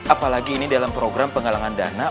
apalagi ini dalam program penggalangan dana